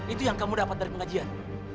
itu yang kamu dapat dari pengajian